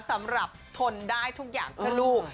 สำหรับทนได้ทุกอย่างเพื่อลูก